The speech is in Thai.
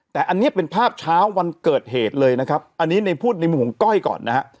แต่อันนี้เป็นภาพเช้าวันเกิดเหตุเลยนะครับอันนี้ในพูดในมุมของก้อยก่อนนะฮะ